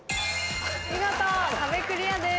見事壁クリアです。